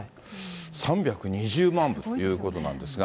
３２０万部ということなんですが。